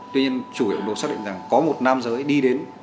tuy nhiên chủ cầm đồ xác định rằng có một nam giới đi đến